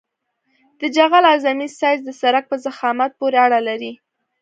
د جغل اعظمي سایز د سرک په ضخامت پورې اړه لري